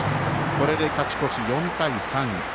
これで勝ち越し、４対３。